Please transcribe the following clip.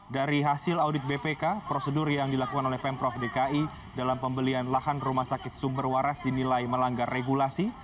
dari hasil audit bpk prosedur yang dilakukan oleh pemprov dki dalam pembelian lahan rumah sakit sumber waras dinilai melanggar regulasi